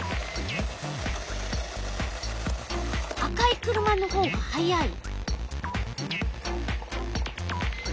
赤い車のほうが速い。